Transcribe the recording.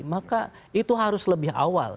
maka itu harus lebih awal